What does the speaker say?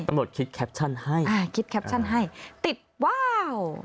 คิดแคปชั่นให้อ่าคิดแคปชั่นให้ติดว้าว